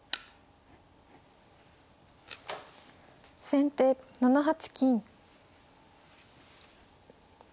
先手７八金。